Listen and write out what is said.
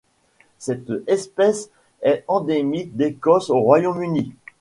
Cette espèce est endémique d'Écosse au Royaume-Uni.